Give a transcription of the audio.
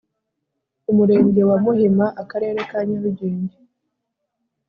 umurenge wa Muhima Akarere ka nyarugenge